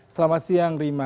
selamat siang rima